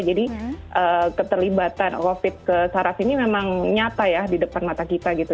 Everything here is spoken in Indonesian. jadi keterlibatan covid ke saraf ini memang nyata ya di depan mata kita gitu